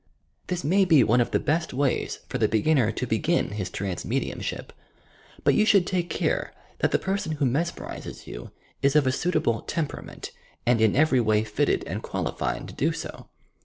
This may be one of the best ways for the beginner to begin his trance medium.ship, but you should take eare that the person who mesmerizes you is of a suitable temperament and in every way fitted and qualified to do so.